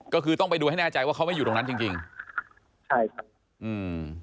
ก็คือต้องไปดูให้แน่ใจว่าเขาไม่อยู่ตรงนั้นจริงจริงใช่ครับอืม